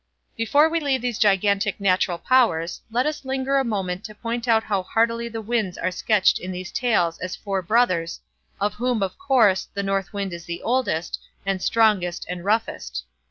Before we leave these gigantic natural powers, let us linger a moment to point out how heartily the Winds are sketched in these Tales as four brothers; of whom, of course, the North wind is the oldest, and strongest, and roughest.